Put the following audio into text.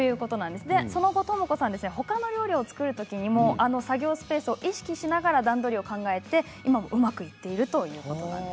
その後、ともこさんほかの料理を作るときも作業スペースを意識しながら段取りを考えて今もうまくいっているということなんです。